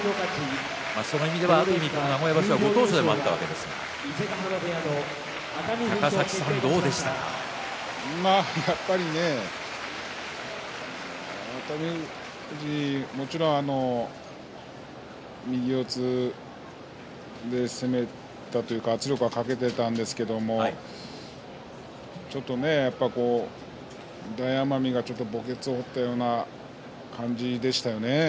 その意味では、ある意味この名古屋場所はご当所でもあったわけですがやっぱりね熱海富士、もちろん右四つで攻めたというか圧力はかけていたんですけどちょっと大奄美が墓穴を掘ったような感じでしたよね。